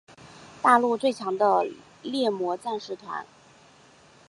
大陆最强的狩魔战士团。